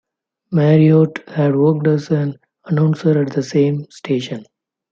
Marriott had worked as an announcer at the same station.